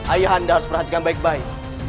ayah anda harus perhatikan baik baik